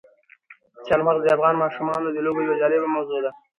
چار مغز د افغان ماشومانو د لوبو یوه جالبه موضوع ده.